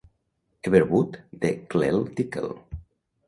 Everwood de "Clell Tickle".